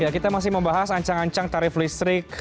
kita masih membahas ancang ancang tarif listrik